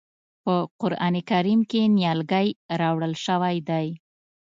په قرآن کریم کې نیالګی راوړل شوی دی.